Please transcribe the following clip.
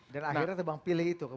dan akhirnya tebang pilih itu